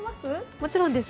もちろんです。